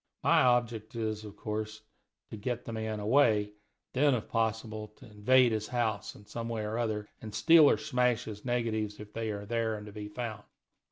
My object is, of course, to get the man away, and then, if possible, to invade his house, in some way or another, and steal or smash his negatives if they are there and to be found.